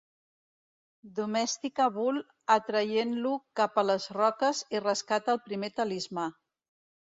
Domestica Bull atraient-lo cap a les roques i rescata el primer talismà.